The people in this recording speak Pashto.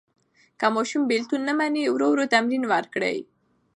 که ماشوم بېلتون نه مني، ورو ورو تمرین ورکړئ.